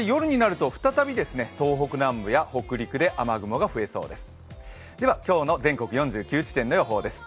夜になると再び東北南部などで雨雲が増えそうです。